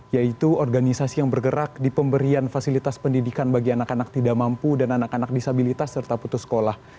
yaitu organisasi yang bergerak di pemberian fasilitas pendidikan bagi anak anak tidak mampu dan anak anak disabilitas serta putus sekolah